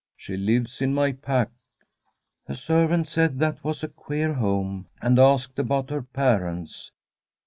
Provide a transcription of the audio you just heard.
* She lives in my pack.' The servant said that was a queer home, and asked about her parents.